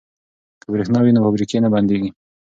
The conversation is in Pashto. که بریښنا وي نو فابریکې نه بندیږي.